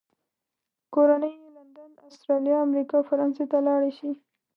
کورنۍ یې لندن، استرالیا، امریکا او فرانسې ته لاړې شي.